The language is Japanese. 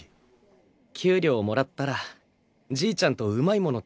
給料もらったらじいちゃんとうまいもの